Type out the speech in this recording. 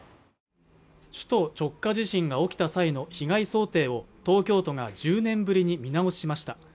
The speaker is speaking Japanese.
首都直下地震が起きた際の被害想定を東京都が１０年ぶりに見直しました